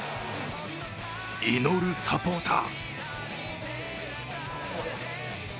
祈るサポーター。